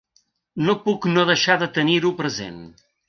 No puc no deixar de tenir-ho present.